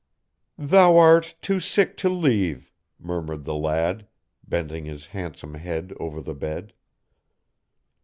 "Thou art too sick to leave," murmured the lad, bending his handsome head over the bed.